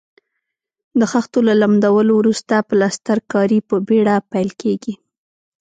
د خښتو له لمدولو وروسته پلسترکاري په بېړه پیل کیږي.